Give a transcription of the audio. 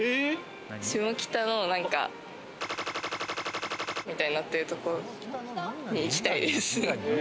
下北のみたいになってるところに行きたいです。